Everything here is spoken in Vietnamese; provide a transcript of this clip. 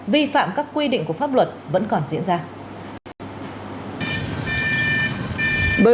vi phạm các quy định của pháp luật vẫn còn diễn ra